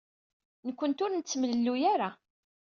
Nekkenti ur nettemlelluy ara.